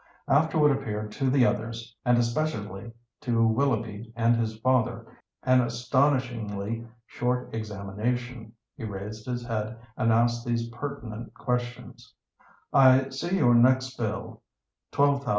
After what appeared to the others, and especially to Willoughby and his father, an astonishingly short examination, he raised his head and asked these pertinent questions: "I see your next bill, £12,437 14_s.